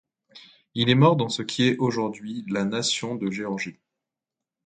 Il est mort dans ce qui est aujourd'hui la nation de Géorgie.